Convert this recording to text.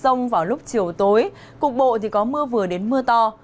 và rông vào lúc chiều tối cục bộ có mưa vừa đến mưa to